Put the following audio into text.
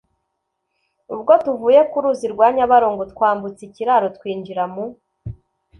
Ubwo tuvuye ku ruzi rwa Nyabarongo, twambutse ikiraro twinjira mu